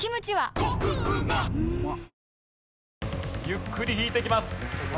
ゆっくり引いていきます。